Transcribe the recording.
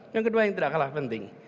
yang kedua yang tidak kalah penting